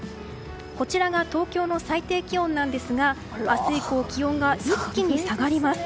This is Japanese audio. こちらが東京の最低気温ですが明日以降気温が一気に下がります。